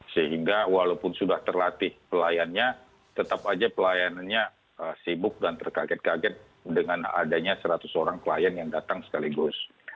sehingga walaupun sudah terlatih pelayannya tetap saja pelayanannya sibuk dan terkaget kaget dengan adanya seratus orang klien yang datang sekaligus